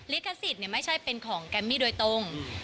ลิขสิทธิ์ไม่ใช่เป็นของแกมมี่โดยตรง